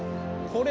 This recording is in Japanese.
これ。